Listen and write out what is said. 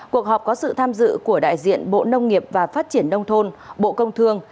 cuộc họp có sự tham dự của đại diện bộ nông nghiệp và phát triển nông thôn bộ công thương